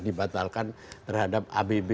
ditentalkan terhadap abb